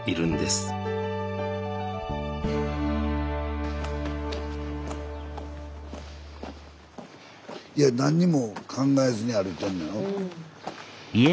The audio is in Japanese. スタジオいや何にも考えずに歩いてんのよ。